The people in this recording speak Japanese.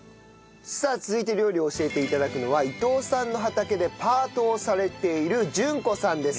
さあ続いて料理を教えて頂くのは伊藤さんの畑でパートをされている稔子さんです。